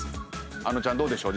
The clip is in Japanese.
あのちゃんどうでしょう？